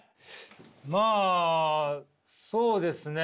まあそうですね。